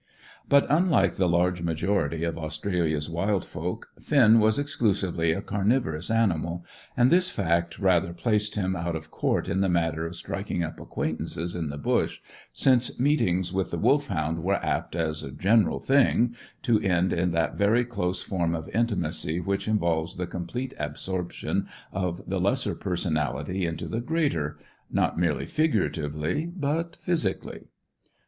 But, unlike the large majority of Australia's wild folk, Finn was exclusively a carnivorous animal, and this fact rather placed him out of court in the matter of striking up acquaintances in the bush, since meetings with the Wolfhound were apt, as a general thing, to end in that very close form of intimacy which involves the complete absorption of the lesser personality into the greater, not merely figuratively, but physically.